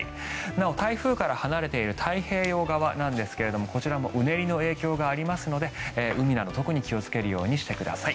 なお台風から離れている太平洋側なんですがこちらもうねりの影響がありますので海など特に気をつけるようにしてください。